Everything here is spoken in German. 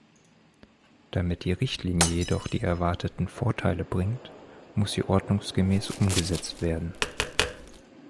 Damit die Richtlinie jedoch die erwarteten Vorteile bringt, muss sie ordnungsgemäß umgesetzt werden.